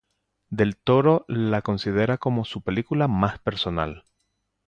Del Toro la considera como su película más personal.